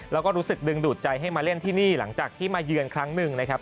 แล้วก็รู้สึกดึงดูดใจให้มาเล่นที่นี่หลังจากที่มาเยือนครั้งหนึ่งนะครับ